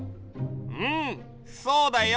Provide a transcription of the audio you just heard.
うんそうだよ。